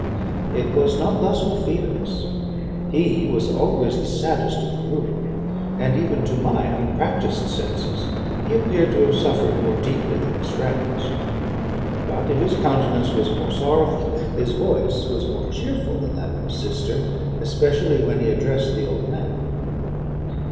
It was not thus with Felix. He was always the saddest of the group; and, even to my unpractised senses, he appeared to have suffered more deeply than his friends. But if his countenance was more sorrowful, his voice was more cheerful than that of his sister, especially when he addressed the old man.